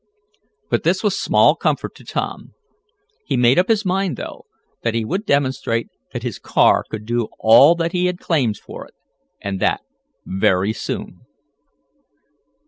But this was small comfort to Tom. He made up his mind, though, that he would demonstrate that his car could do all that he had claimed for it, and that very soon.